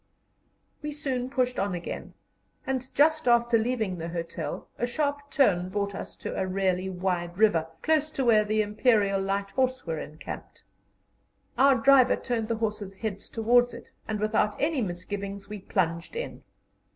We soon pushed on again, and just after leaving the hotel a sharp turn brought us to a really wide river, close to where the Imperial Light Horse were encamped. Our driver turned the horses' heads towards it, and without any misgivings we plunged in.